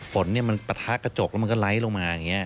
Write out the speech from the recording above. ฝนมันปะทะกระจกแล้วมันก็ไล่ลงมาอย่างนี้